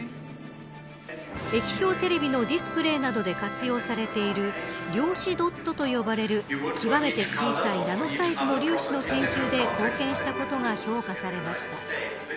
液晶テレビのディスプレーなどで活用されている量子ドットと呼ばれる極めて小さいナノサイズの粒子の研究で貢献したことが評価されました。